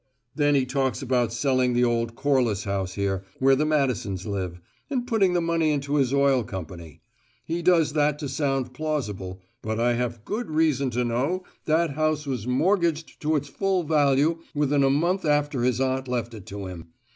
Then he talks about selling the old Corliss house here, where the Madisons live, and putting the money into his oil company: he does that to sound plausible, but I have good reason to know that house was mortgaged to its full value within a month after his aunt left it to him.